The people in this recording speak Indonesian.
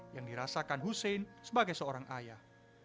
yang dirasakan hussein sebagai seorang ayah